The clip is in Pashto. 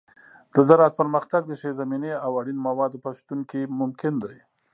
د زراعت پرمختګ د ښې زمینې او اړین موادو په شتون کې ممکن دی.